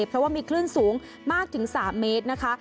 เพราะว่ามีคลื่นสูงมากถึง๓เมตรนะคะ